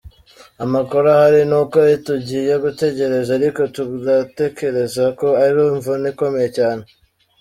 Amakuru ahari ni uko tugiye gutegereza, ariko turatekereza ko ari imvune ikomeye cyane".